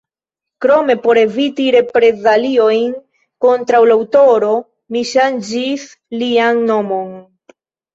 Krome, por eviti reprezaliojn kontraŭ la aŭtoro, ni ŝanĝis lian nomon.